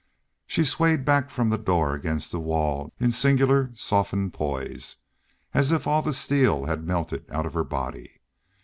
She swayed back from the door against the wall in singular, softened poise, as if all the steel had melted out of her body.